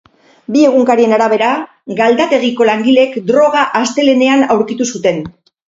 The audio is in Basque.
Bi egunkarien arabera, galdategiko langileek droga astelehenean aurkitu zuten.